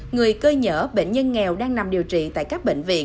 người cơ nhở bệnh nhân nghèo đang nằm điều trị tại các bệnh viện